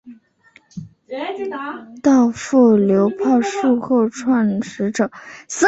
稻富流炮术创始者。